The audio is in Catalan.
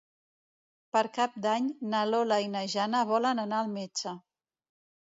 Per Cap d'Any na Lola i na Jana volen anar al metge.